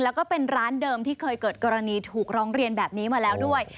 แล้วก็เป็นร้านเดิมที่เคยเกิดกรณีถูกร้องเรียนแบบนี้มาแล้วด้วย